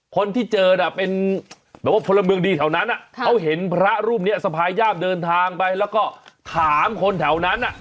คนที่เจอน่ะเป็นแบบว่าพลเมืองดีแถวนั้นเขาเห็นพระรูปนี้สะพายญาติเดินทางไปแล้วก็ถามคนแถวนั้น